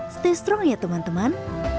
stay strong ya teman teman